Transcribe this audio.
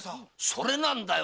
それなんだよ。